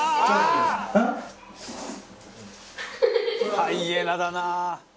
「ハイエナだなあ」